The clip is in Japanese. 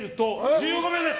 １５秒です。